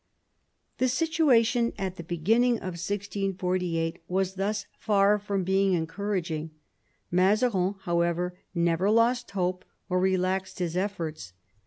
The situation at the beginning of 1648 was thus far from being encouraging. Mazarin, however, never lost hope or relaxed his efforts.